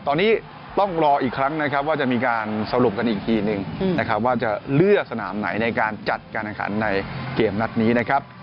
ตอนนี้ต้องรออีกครั้งนะครับว่าจะมีการสรุปกันอีกทีนึงนะครับว่าจะเลือกสนามไหนในการจัดการแข่งขันในเกมนัดนี้นะครับ